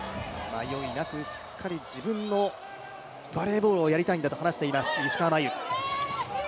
迷いなくしっかり自分のバレーボールをやりたいんだと話しています、石川真佑。